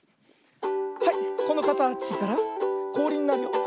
はいこのかたちからこおりになるよ。